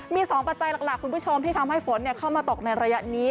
มี๒ปัจจัยหลักคุณผู้ชมที่ทำให้ฝนเข้ามาตกในระยะนี้